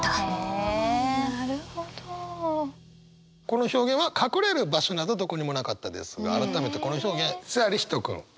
この表現は「隠れる場所などどこにもなかった」ですが改めてこの表現さあ李光人君。